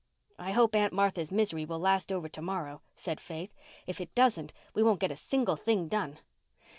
"I hope Aunt Martha's misery will last over to morrow," said Faith. "If it doesn't we won't get a single thing done."